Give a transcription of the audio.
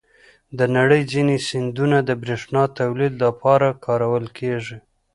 د نړۍ ځینې سیندونه د بریښنا تولید لپاره کارول کېږي.